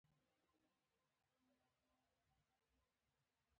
تخته مې د سر له پاسه ونیول، آن دې ته.